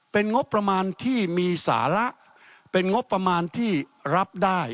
เป็นงบประมาณที่มีสาระเป็นงบประมาณที่รับได้